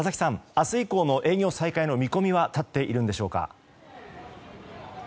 明日以降の営業再開の見込みは立っているんでしょうか？